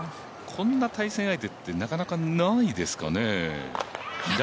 こんな対戦相手ってなかなかないですかね？